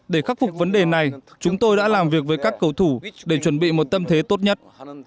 để khắc phục vấn đề này chúng tôi đã làm việc với các cầu thủ để chuẩn bị một tâm thế tốt nhất